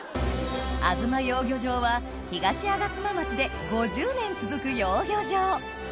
あづま養魚場は東吾妻町で５０年続く養魚場